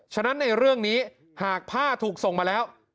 ฉะนั้นในเรื่องนี้หากผ้าถูกส่งมาแล้ว